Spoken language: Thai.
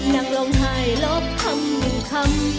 นักร้องหายลบคำหนึ่งคำ